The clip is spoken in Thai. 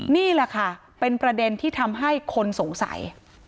นี่แหละค่ะเป็นประเด็นที่ทำให้คนสงสัย